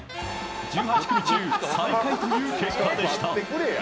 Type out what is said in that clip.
１８組中最下位という結果でした。